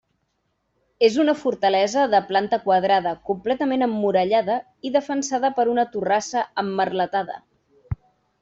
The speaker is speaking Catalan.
És una fortalesa de planta quadrada, completament emmurallada i defensada per una torrassa emmerletada.